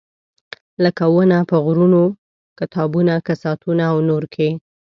لکه ونه په غرونه، کتابونه، کساتونه او نور کې.